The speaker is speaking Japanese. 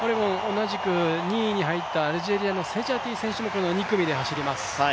同じく２位に入ったアルジェリアのセジャティ選手もこの２組で走ります。